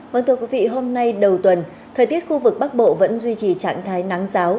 vâng thưa quý vị hôm nay đầu tuần thời tiết khu vực bắc bộ vẫn duy trì trạng thái nắng giáo